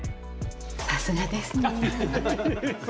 さすがですねぇ。